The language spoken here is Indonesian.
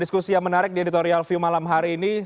diskusi yang menarik di editorial view malam hari ini